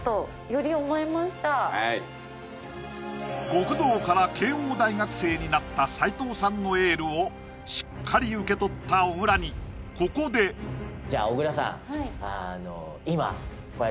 極道から慶應大学生になった斎藤さんのエールをしっかり受け取った小倉にここでえっ